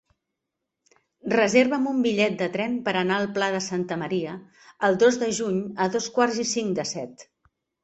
Reserva'm un bitllet de tren per anar al Pla de Santa Maria el dos de juny a dos quarts i cinc de set.